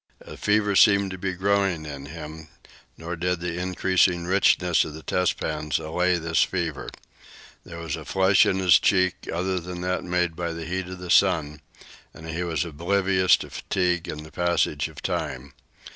A fever seemed to be growing in him, nor did the increasing richness of the test pans allay this fever. There was a flush in his cheek other than that made by the heat of the sun, and he was oblivious to fatigue and the passage of time.